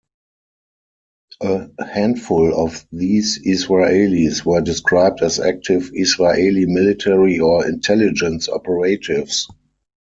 A "handful" of these Israelis were described as active Israeli military or intelligence operatives.